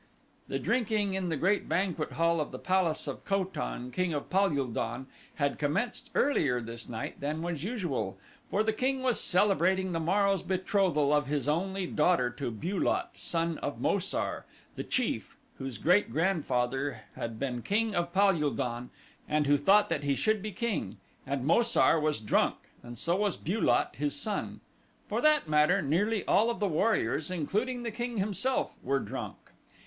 The drinking in the great banquet hall of the palace of Ko tan, king of Pal ul don had commenced earlier this night than was usual, for the king was celebrating the morrow's betrothal of his only daughter to Bu lot, son of Mo sar, the chief, whose great grandfather had been king of Pal ul don and who thought that he should be king, and Mo sar was drunk and so was Bu lot, his son. For that matter nearly all of the warriors, including the king himself, were drunk.